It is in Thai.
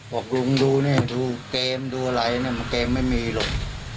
บอกลุงดูเนี่ยดูเกมดูอะไรเนี่ยมันเกมไม่มีหรอก